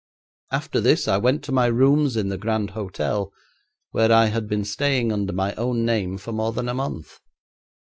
After this I went to my rooms in the Grand Hotel where I had been staying under my own name for more than a month.